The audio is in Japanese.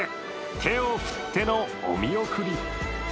手を振ってのお見送り。